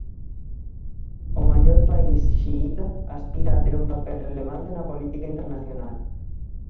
O maior país xiíta aspira a ter un papel relevante na política internacional.